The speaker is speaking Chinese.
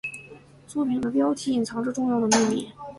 作品的标题隐藏着重要的秘密。